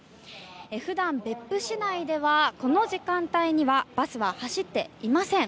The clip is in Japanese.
普段、別府市内ではこの時間帯にはバスは走っていません。